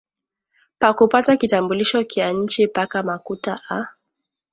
Pakupata kitambulisho kya inchi paka makuta ah